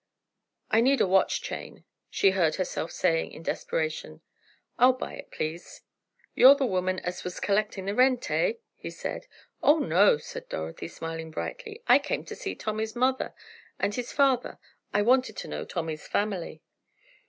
"I need a watch chain," she heard herself saying in desperation, "I'll buy it, please." "You're the woman as was collecting the rent; eh?" he said. "Oh, no," said Dorothy, smiling brightly, "I came to see Tommy's mother, and his father. I wanted to know Tommy's family."